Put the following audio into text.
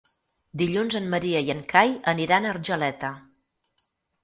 Dilluns en Maria i en Cai aniran a Argeleta.